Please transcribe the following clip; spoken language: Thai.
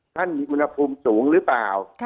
ท่านมีอุณหภูมิสูงหรือเปล่า